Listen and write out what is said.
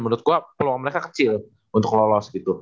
menurut gue peluang mereka kecil untuk lolos gitu